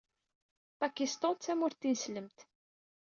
Pakistan d tamurt tineslemt.